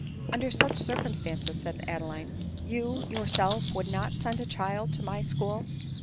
" Under such circumstances," said Adeline, "you your self would not send a child to my school